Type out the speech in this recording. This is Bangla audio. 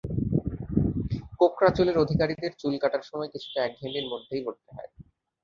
কোঁকড়া চুলের অধিকারীদের চুল কাটার সময় কিছুটা একঘেয়েমির মধ্যেই পড়তে হয়।